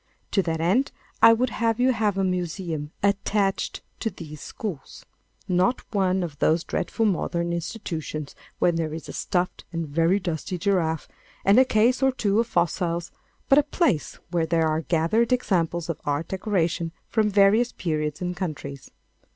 To that end I would have you have a museum attached to these schools—not one of those dreadful modern institutions where there is a stuffed and very dusty giraffe, and a case or two of fossils, but a place where there are gathered examples of art decoration from various periods and countries.